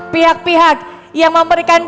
pihak pihak yang memberikan